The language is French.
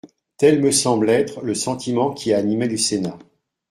Tel me semble être le sentiment qui a animé le Sénat.